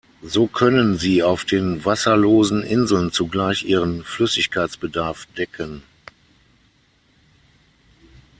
So können sie auf den wasserlosen Inseln zugleich ihren Flüssigkeitsbedarf decken.